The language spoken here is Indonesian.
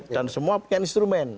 dan semua punya instrumen